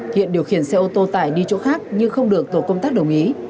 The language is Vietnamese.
thiện điều khiển xe ô tô tải đi chỗ khác nhưng không được tổ công tác đồng ý